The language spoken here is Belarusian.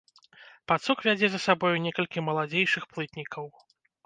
Пацук вядзе за сабою некалькі маладзейшых плытнікаў.